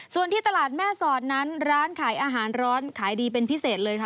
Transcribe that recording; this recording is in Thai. ส่วนที่ตลาดแม่สอดนั้นร้านขายอาหารร้อนขายดีเป็นพิเศษเลยค่ะ